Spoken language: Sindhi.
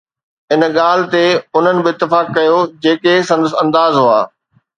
ان ڳالهه تي انهن به اتفاق ڪيو، جيڪي سندس انداز هئا